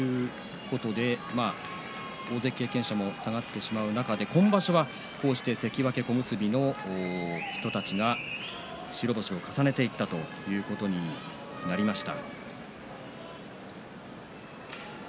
大関経験者も下がってしまう中で今場所は関脇小結の人たちが白星を重ねていったということになりました。